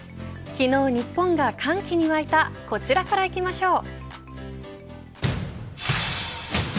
昨日、日本が歓喜に沸いたこちらからいきましょう。